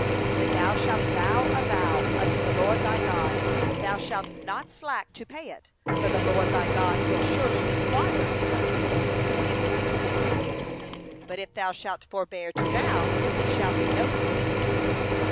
22When thou shalt vow a vow unto the LORD thy God, thou shalt not be slack to pay it; for the LORD thy God will surely require it of thee; and it will be sin in thee. 23But if thou shalt forbear to vow, it shall be no sin in thee.